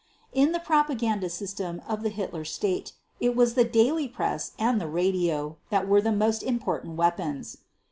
In the propaganda system of the Hitler State it was the daily press and the radio that were the most important weapons.